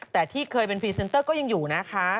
แต่ที่เคยเป็นพรีเซนเตอร์ก็ยังอยู่นะคะ